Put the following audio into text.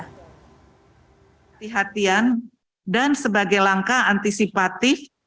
hati hatian dan sebagai langkah antisipatif